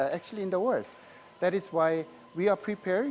dan itulah mengapa kami sedang mempersiapkan